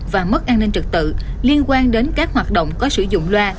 và mất an ninh trực tự liên quan đến các hoạt động có sử dụng loa